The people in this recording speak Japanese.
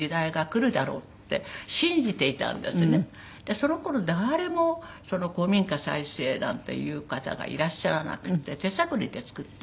その頃誰も古民家再生なんていう方がいらっしゃらなくて手探りで造った家なんですね。